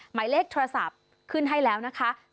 หมายเลขโทรศัพท์ขึ้นให้แล้วนะคะ๐๘๑๙๙๘๔๕๑๘